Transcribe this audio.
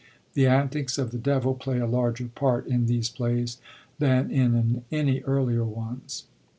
The antics of the Devil play a larger part in these plays than in any earlier ones.